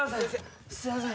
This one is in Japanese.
すいません。